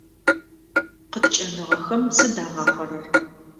Къыткӏэныгъэхэм сыд агъахъэрэр?